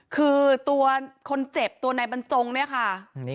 คือตัวคนเจ็บตัวนายบรรจงเนี่ยค่ะ